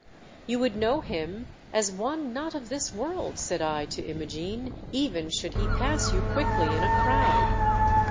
"You would know him as one not of this world," said I to Imogene, "even should he pass you quickly in a crowd."